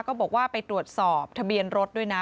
ก็บอกว่าไปตรวจสอบทะเบียนรถด้วยนะ